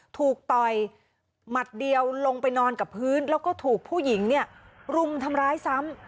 ต่อยหมัดเดียวลงไปนอนกับพื้นแล้วก็ถูกผู้หญิงเนี่ยรุมทำร้ายซ้ำ